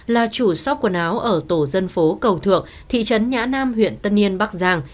là chủ sóc quần áo ở tổ dân phố cầu thượng thị trấn nhã nam huyện tân yên bắc giang